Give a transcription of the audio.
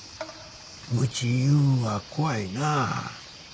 無知いうんは怖いなあ。